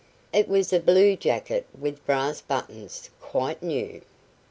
It was a blue jacket with brass buttons, quite new.